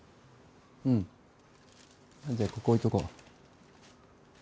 うん、じゃあここ置いとこう。